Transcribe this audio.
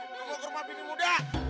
kamu ke rumah pimpin muda